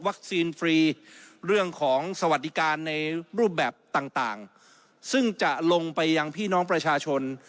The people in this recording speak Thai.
ฟรีเรื่องของสวัสดิการในรูปแบบต่างซึ่งจะลงไปยังพี่น้องประชาชน